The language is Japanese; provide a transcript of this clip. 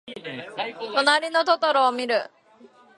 となりのトトロをみる。